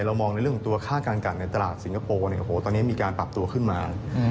เรามองในเรื่องของตัวค่าการกัดในตลาดสิงคโปร์ตอนนี้มีการปรับตัวขึ้นมา